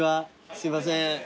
すいません。